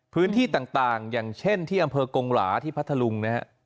พื้นที่ต่างอย่างเช่นที่อำเภอกงหลาที่พัทธลุงนะฮะ